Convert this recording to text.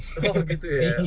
oh gitu ya